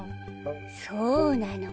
そうなの。